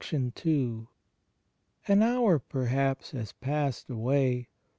n An hour perhaps has passed away.